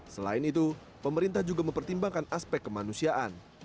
selain itu pemerintah juga mempertimbangkan aspek kemanusiaan